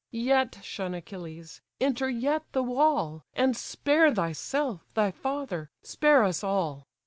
Yet shun Achilles! enter yet the wall; And spare thyself, thy father, spare us all!